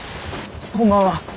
こんばんは。